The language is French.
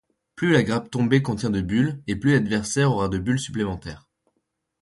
Plus la grappe tombée contient de bulles et plus l'adversaire aura de bulles supplémentaires.